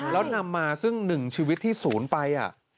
แล้วนำมาซึ่งหนึ่งชีวิตที่ศูนย์ไป